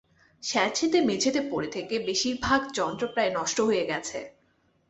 স্যাঁতসেঁতে মেঝেতে পড়ে থেকে বেশির ভাগ যন্ত্র প্রায় নষ্ট হয়ে গেছে।